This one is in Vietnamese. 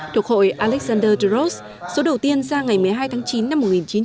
thuộc hội alexander de rose số đầu tiên ra ngày một mươi hai tháng chín năm một nghìn chín trăm bốn mươi